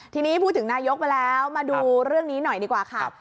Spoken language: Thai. ทีนี้พูดถึงนายกไปแล้วมาดูเรื่องนี้หน่อยดีกว่าค่ะ